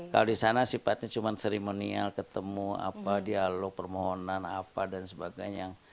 kalau di sana sifatnya cuma seremonial ketemu apa dialog permohonan apa dan sebagainya